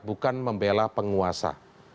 bukan membela penguasa